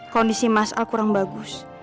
kondisi mas al kurang bagus